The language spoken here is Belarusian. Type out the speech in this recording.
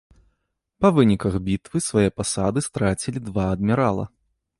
Па выніках бітвы свае пасады страцілі два адмірала.